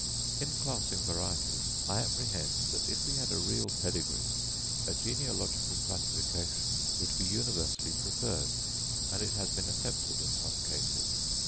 In classing varieties, I apprehend that if we had a real pedigree, a genealogical classification would be universally preferred; and it has been attempted in some cases.